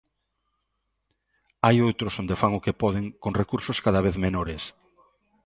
Hai outros onde fan o que poden con recursos cada vez menores.